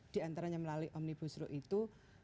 diantaranya melalui omnibus ruk itu